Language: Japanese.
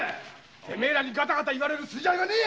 てめえらにガタガタ言われる筋合いはねえ！